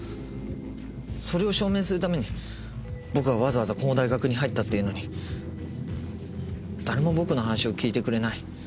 それを証明するために僕はわざわざこの大学に入ったっていうのに誰も僕の話を聞いてくれない。